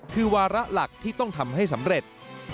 คือวาระหลักที่ต้องทำให้สำเร็จ